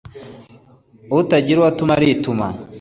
Utagira uwo atuma arituma.